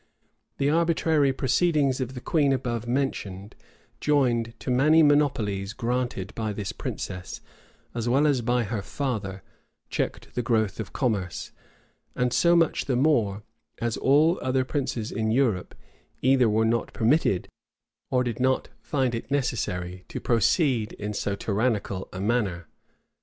[*]* Burnet, vol. iii. p. 259. The arbitrary proceedings of the queen above mentioned, joined to many monopolies granted by this princess, as well as by her father, checked the growth of commerce; and so much the more, as all other princes in Europe either were not permitted, or did not find it necessary, to proceed in so tyrannical a manner.